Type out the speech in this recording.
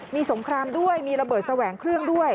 มีสงครามด้วยมีระเบิดแสวงเครื่องด้วย